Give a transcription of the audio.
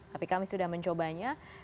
jadi kami sudah mencobanya